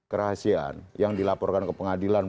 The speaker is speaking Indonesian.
kerahasiaan yang dilaporkan ke pengadilan